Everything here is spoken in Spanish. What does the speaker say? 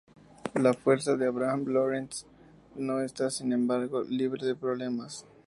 La fuerza de Abraham-Lorentz no está, sin embargo, libre de problemas.